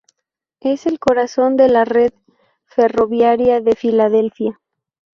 Es el corazón de la red ferroviaria de Filadelfia.